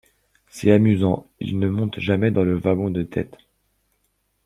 C’est amusant, il ne monte jamais dans le wagon de tête.